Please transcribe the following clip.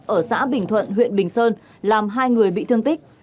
ở xã bình thuận huyện bình sơn làm hai người bị thương tích